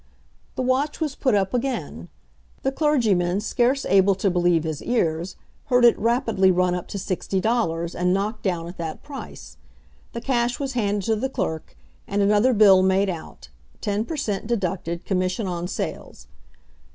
The watch was put up again. The clergyman, scarce able to believe his ears, heard it rapidly run up to sixty dollars and knocked down at that price. The cash was handed to the clerk, and another bill made out; ten per cent., deducted, commission on sales.